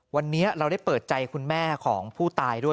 วันนี้เราได้เปิดใจคุณแม่ของผู้ตายด้วย